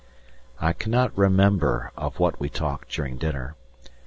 I cannot remember of what we talked during dinner.